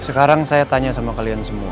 sekarang saya tanya sama kalian semua